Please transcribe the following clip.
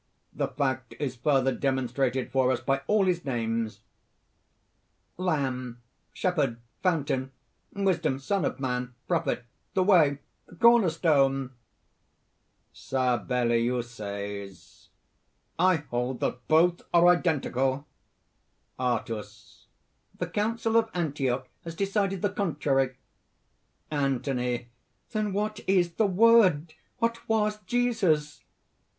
The fact is further demonstrated for us by all his names: lamb, shepherd, fountain, wisdom, son of man, prophet; the way, the corner stone!" SABELLIUS. "I hold that both are identical." ARIUS. "The Council of Antioch has decided the contrary." ANTHONY. "Then what is the Word?... What was Jesus?"